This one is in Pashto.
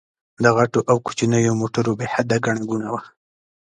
د غټو او کوچنيو موټرو بې حده ګڼه ګوڼه وه.